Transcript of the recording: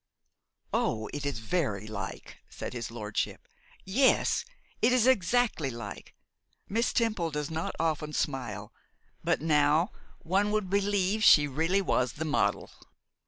'Oh! it is very like,' said his lordship. 'Yes! now it is exactly like. Miss Temple does not often smile; but now one would believe she really was the model.